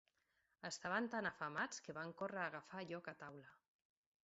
Estaven tan afamats que van córrer a agafar lloc a taula.